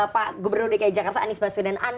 pak gubernur dki jakarta anies baswedan